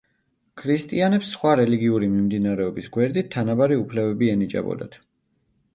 ქრისტიანებს სხვა რელიგიური მიმდინარეობების გვერდით თანაბარი უფლებები ენიჭებოდათ.